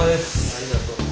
ありがと。